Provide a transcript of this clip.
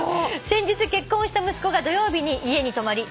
「先日結婚をした息子が土曜日に家に泊まり